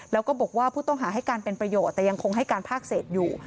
แล้วก็บอกว่าผู้ต้องหาให้การเป็นประโยชน์แต่ยังคงให้การภาคเศษอยู่